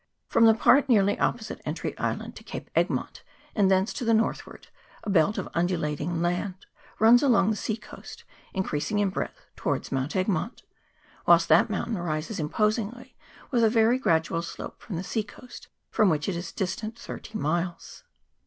From the part nearly oppo site Entry Island to Cape Egmont, and thence to the northward, a belt of undulating land runs along the sea coast, increasing in breadth towards Mount Egmont; whilst that mountain rises imposingly with a very gradual slope from the sea coast, from which it is distant thirty miles.